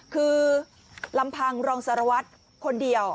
คือลำพังรองสารวัตรคนเดียว